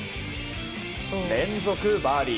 連続バーディー。